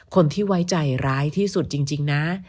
คนที่ไว้ใจร้ายที่สุดจริงนะ